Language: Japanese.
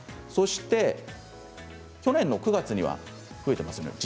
そして去年の９月には今増えていますね